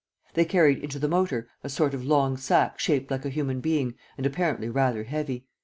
They carried into the motor a sort of long sack shaped like a human being and apparently rather heavy.